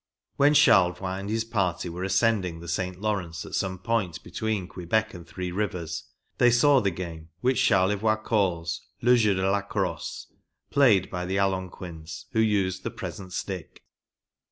When Charlevoix and his party were ascending the St. Lawrence at some point between Quebec and THE ORIGINAL GAME. 31 'H Three Rivers, they saw the game, which Charlevoix calls " le jeu de la crosse," played by the Algon quins, who used the present stick.